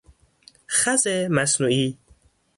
خز مصنوعی